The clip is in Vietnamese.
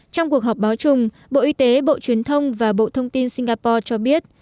trong cuộc họp báo chung bộ y tế bộ truyền thông và bộ thông tin singapore cho biết